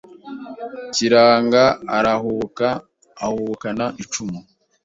Kiranga arahubuka; ahubukana icumu,